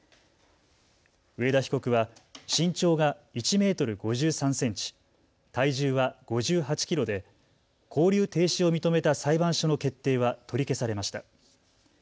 上田被告は身長が１メートル５３センチ、体重は５８キロで勾留停止を認めた裁判所の決定は取り消されました。